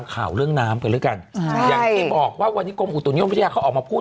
ทำข่าวเรื่องน้ำไปแล้วกันอย่างที่บอกวันนี้โกงอุตุนยมวิทยาเขาออกมาพูด